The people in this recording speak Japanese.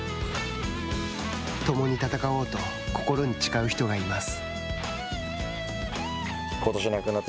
ともに戦おうと心に誓う人がいます。